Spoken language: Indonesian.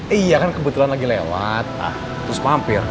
iya kan kebetulan lagi lewat terus mampir